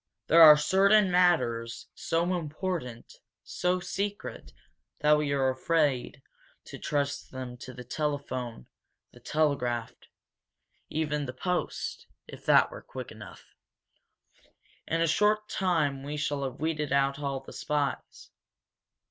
"There are certain matters so important, so secret, that we are afraid to trust them to the telephone, the telegraph even the post, if that were quick enough! In a short time we shall have weeded out all the spies.